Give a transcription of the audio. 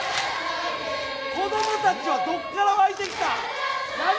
子どもたちはどこから湧いてきたん？